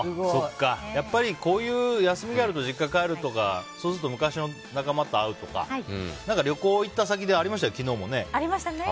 やっぱりこういう休みがあると実家帰るとかそうすると昔の仲間と会うとか旅行行った先でありましたよね